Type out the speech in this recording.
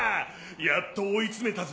やっと追い詰めたぜ！